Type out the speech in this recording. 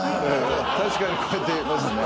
確かにこうやってましたね。